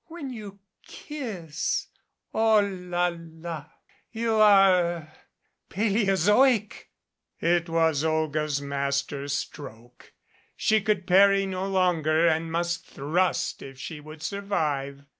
When you kiss Oh, la la ! You are er paleozoic !" It was Olga's master stroke. She could parry no longer and must thrust if she would survive.